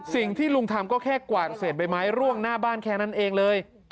สิ่งที่ลุงทำก็แค่กวาดเศษใบไม้ร่วงหน้าบ้านแค่นั้นเองเลย